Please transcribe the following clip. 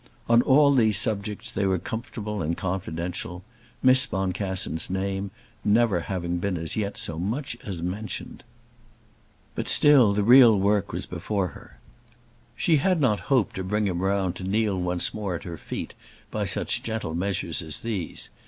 On all these subjects they were comfortable and confidential, Miss Boncassen's name never having been as yet so much as mentioned. But still the real work was before her. She had not hoped to bring him round to kneel once more at her feet by such gentle measures as these.